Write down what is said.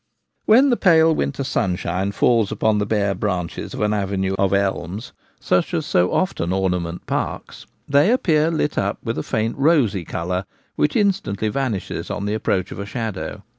When the pale winter sunshine falls upon the bare branches of an avenue of elms — such as so often ornament parks — they appear lit up with a faint rosy colour, which instantly vanishes on the approach of a shadow.